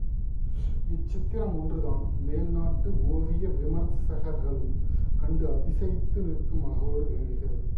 இச்சித்திரம் ஒன்றுதான் மேல்நாட்டு ஓவிய விமர்சகர்களும் கண்டு அதிசயித்து நிற்கும் அழகோடு விளங்குகிறது.